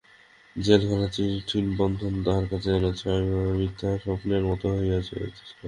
জেলখানার কঠিন বন্ধন তাহার কাছে যেন ছায়াময় মিথ্যা স্বপ্নের মতো হইয়া যাইত।